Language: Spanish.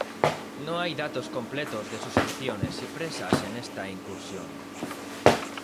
No hay datos completos de sus acciones y presas en esta incursión.